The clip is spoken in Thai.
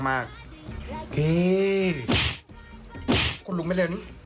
และเฮเมื่อรู้สึกกลัวอะไรมาก